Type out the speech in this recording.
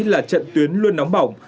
là trận tuyến luôn nóng bỏng